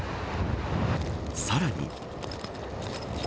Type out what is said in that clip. さらに。